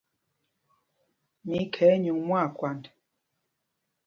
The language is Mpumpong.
Mí í khɛ̌y nyûŋ mwâkwand.